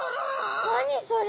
何それ？